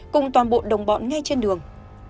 cùng toàn bộ đồng bọn ngay trên đường